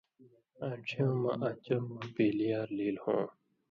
آن٘ڇھیُوں مہ آں چمہۡ مہ پیلیار لیل ہوں۔